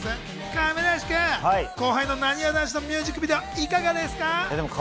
亀梨くん、後輩のなにわ男子のミュージックビデオいかがですか？